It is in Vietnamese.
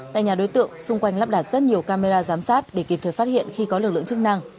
tại nhà đối tượng xung quanh lắp đặt rất nhiều camera giám sát để kịp thời phát hiện khi có lực lượng chức năng